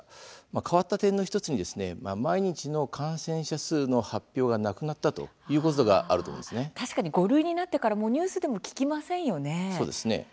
変わった点の１つに毎日の感染者数の発表がなくなった５類になってからニュースでも聞きませんよね。